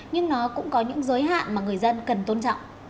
nhưng nó cũng có những giới hạn mà người dân cần tôn trọng